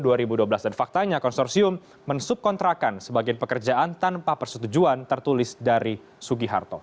dan faktanya konsorsium mensubkontrakan sebagian pekerjaan tanpa persetujuan tertulis dari sugiharto